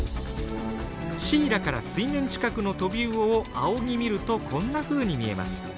シイラから水面近くのトビウオを仰ぎ見るとこんなふうに見えます。